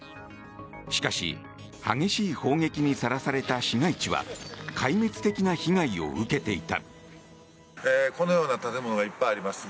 しかし激しい砲撃にさらされた市街地は壊滅的な被害を受けていた。